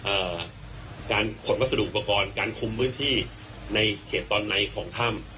เอ่อการขนวัสดุอุปกรณ์การคุมพื้นที่ในเขตตอนในของถ้ำ